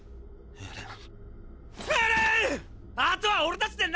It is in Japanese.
エレン！！